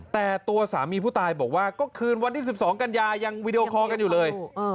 แต่ตัวสามีผู้ตายบอกว่าก็คืนวันที่๑๒กันยายังวีดีโอคอลกันอยู่เลย